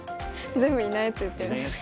全部いないやつ言ってるんですか。